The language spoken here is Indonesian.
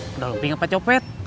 kuda lumping apa copet